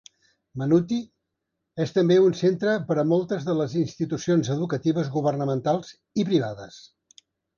Mannuthy és també un centre per a moltes de les institucions educatives governamentals i privades.